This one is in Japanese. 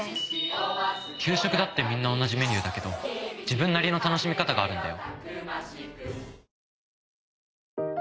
給食だってみんな同じメニューだけど自分なりの楽しみ方があるんだよ。